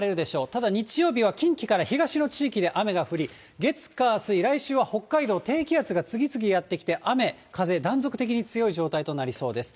ただ、日曜日は近畿から東の地域で雨が降り、月、火、水、来週は北海道、低気圧が次々やって来て、雨、風、断続的に強い状態となりそうです。